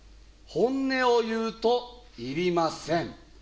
「本音を言うと要りません」